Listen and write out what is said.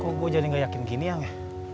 kok gue jadi gak yakin gini yang ya